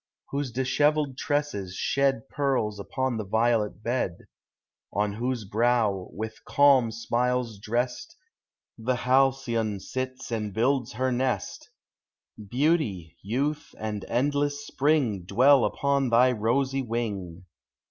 Whose dishevelled tresses shed Pearls upon the violet bed; On whose brow, with calm smiles drest The halcyon sits and builds her nest; Beauty, youth, and endless spring Dwell upon thy rosy wing!